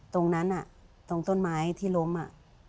ตรงนั้นตรงต้นไม้ที่ล้มอ่ะ